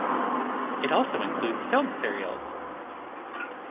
It also includes film serials.